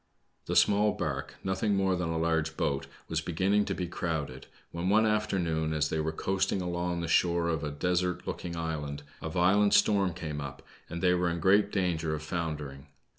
The small bark, nothing more than a large boat, was beginning to be crowded, when one afternoon, as they were coasting along the shore of a desert looking island, a violent storm came up, and they were in great danger of foundering.